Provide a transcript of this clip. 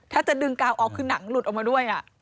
ถ้าจะดึงกาวออกคือหนังหลุดออกมาด้วย